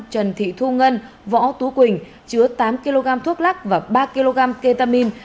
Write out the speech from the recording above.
trần thị thu ngân võ tú quỳnh chứa tám kg thuốc lắc và ba kg ketamine